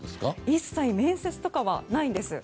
一切面接とかはないんです。